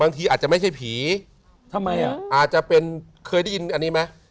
อาจจะเป็นเคยได้ยินอันนี้ไหม